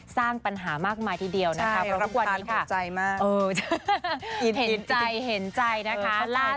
สร้างปัญหามากมายทีเดียวนะคะเพราะวันนี้ค่ะเออเห็นใจนะคะรับความรับใจ